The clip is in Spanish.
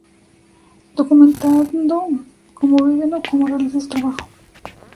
Documentando como viven o como realizan su trabajo.